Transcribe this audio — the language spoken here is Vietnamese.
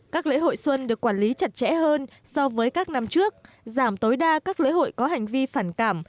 các lễ hội xuân được quản lý chặt chẽ hơn so với các năm trước giảm tối đa các lễ hội có hành vi phản cảm